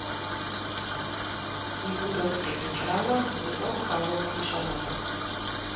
И гурыфӏ къимыкӏауэ зы ӏуэху ауэ пхуищӏэнукъым.